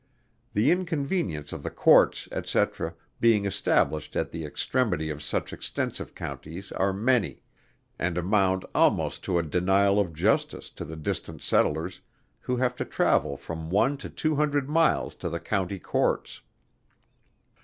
The inconvenience of the Courts, &c. being established at the extremity of such extensive Counties are many, and amount almost to a denial of justice to the distant settlers, who have to travel from one to two hundred miles to the County Courts.